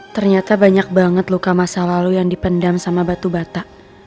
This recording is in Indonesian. ternyata banyak banget luka masa lalu yang dipendam sama batu bata